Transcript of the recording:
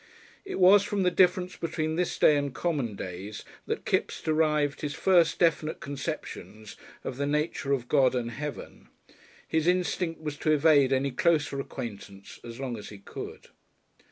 It was from the difference between this day and common days that Kipps derived his first definite conceptions of the nature of God and heaven. His instinct was to evade any closer acquaintance as long as he could.